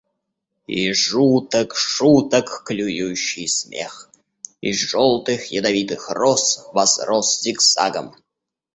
И жуток шуток клюющий смех — из желтых ядовитых роз возрос зигзагом.